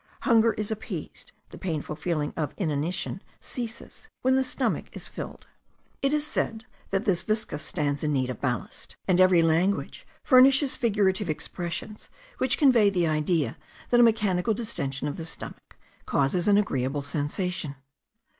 Hunger is appeased, the painful feeling of inanition ceases, when the stomach is filled. It is said that this viscus stands in need of ballast; and every language furnishes figurative expressions which convey the idea that a mechanical distension of the stomach causes an agreeable sensation.